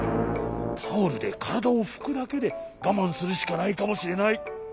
タオルでからだをふくだけでがまんするしかないかもしれない。